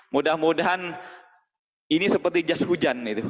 mudah mudahan ini seperti jas hujan